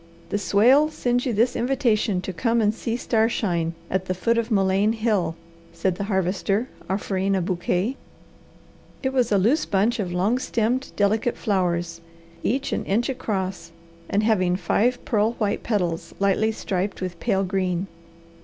"The swale sends you this invitation to come and see star shine at the foot of mullein hill," said the Harvester, offering a bouquet. It was a loose bunch of long stemmed, delicate flowers, each an inch across, and having five pearl white petals lightly striped with pale green.